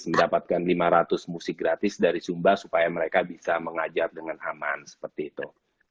mendapatkan lima ratus musik gratis dari sumba supaya mereka bisa mengajar dengan aman seperti itu